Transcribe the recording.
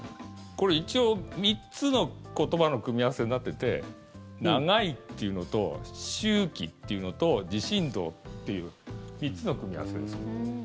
これ一応、３つの言葉の組み合わせになってて長いっていうのと周期っていうのと地震動っていう３つの組み合わせです。